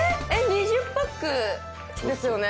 ２０パックですよね？